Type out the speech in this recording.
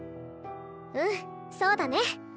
うんそうだね。